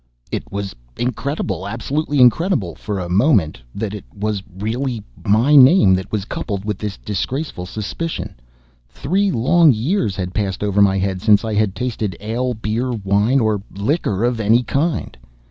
It was incredible, absolutely incredible, for a moment, that it was really my name that was coupled with this disgraceful suspicion. Three long years had passed over my head since I had tasted ale, beer, wine or liquor of any kind.